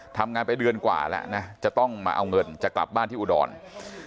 ทำงานไปเดือนกว่าแล้วนะจะต้องมาเอาเงินจะกลับบ้านที่อุดร